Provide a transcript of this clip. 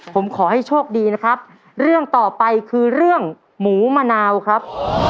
ผมขอให้โชคดีนะครับเรื่องต่อไปคือเรื่องหมูมะนาวครับ